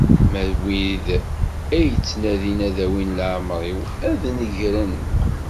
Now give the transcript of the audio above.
Ma d wid ittnadin ad awin leεmer-iw, ad negren.